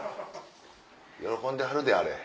喜んではるであれ。